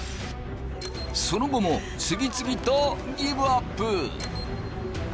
その後も次々とギブアップ。